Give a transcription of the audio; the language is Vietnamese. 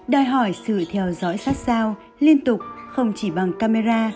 đòi hỏi sự theo dõi sát sao liên tục không chỉ bằng camera